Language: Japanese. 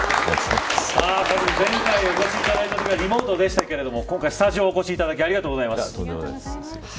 前回お越しいただいたときはリモートでしたけど今回はスタジオにお越しいただきありがとうございます。